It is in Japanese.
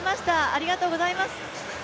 ありがとうございます。